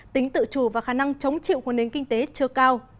tính tự chủ và khả năng chống chịu của nền kinh tế chưa cao